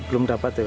belum dapat ya pak